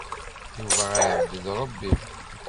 Yuba iɛebbed Ṛebbi.